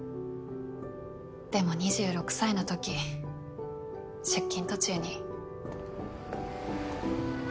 でも２６歳のとき出勤途中に。